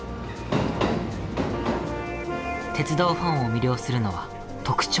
鉄道ファンを魅了するのは特徴のある駅。